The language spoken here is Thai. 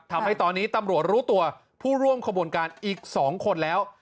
ทำให้ตอนนี้ตำรวจรู้ตัวผู้ร่วมขบวนการอีก๒คนแล้ว